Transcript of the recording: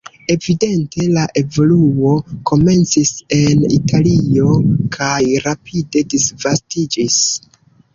Evidente la evoluo komencis en Italio kaj rapide disvastiĝis.